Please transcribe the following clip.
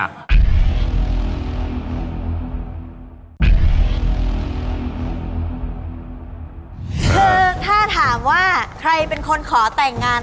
คือถ้าถามว่าใครเป็นคนขอแต่งงาน